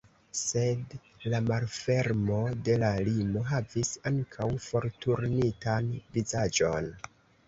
Sed la malfermo de la limo havis ankaŭ forturnitan vizaĝon.